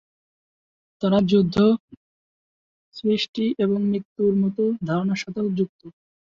তাঁরা যুদ্ধ, সৃষ্টি এবং মৃত্যুর মতো ধারণার সাথেও যুক্ত।